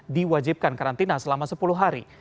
diwajibkan karantina selama sepuluh hari